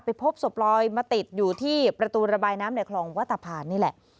พบศพลอยมาติดอยู่ที่ประตูระบายน้ำในคลองวัตพานนี่แหละ